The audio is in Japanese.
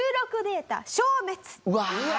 うわ。